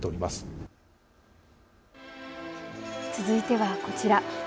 続いてはこちら。